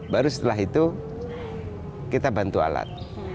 baru setelah itu kita bantu alat